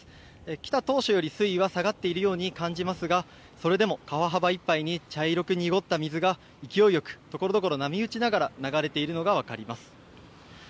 来た当初より水位が下がっているように感じますがそれでも川幅いっぱいに茶色く濁った水が勢いよくところどころ波打ちながら流れているのが分かります。